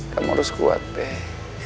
kamu harus kuat pei